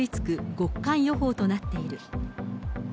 極寒予報となっている。